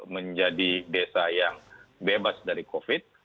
menjadi desa yang bebas dari covid